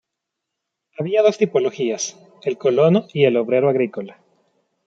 Había dos tipologías: el colono y el obrero agrícola.